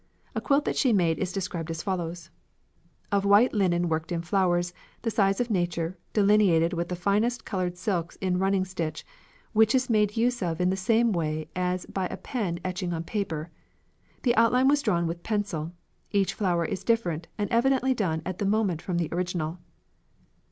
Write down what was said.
A quilt that she made is described as follows: "Of white linen worked in flowers, the size of nature, delineated with the finest coloured silks in running stitch, which is made use of in the same way as by a pen etching on paper; the outline was drawn with pencil. Each flower is different, and evidently done at the moment from the original."